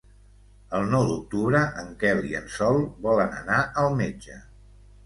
El nou d'octubre en Quel i en Sol volen anar al metge.